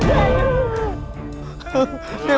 kau mau ngapain